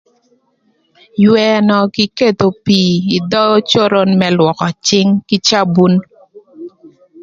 Ywënö kï ketho pii ï dhö coron më lwökö cïng kï cabun.